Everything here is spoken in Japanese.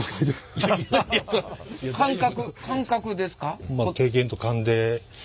感覚感覚ですか？